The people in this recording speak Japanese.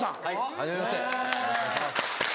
はじめまして。